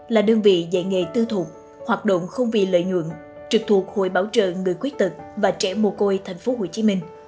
là đơn vị dạy nghề tư thuộc hoạt động không vì lợi nhuận trực thuộc hội bảo trợ người khuyết tật và trẻ mồ côi thành phố hồ chí minh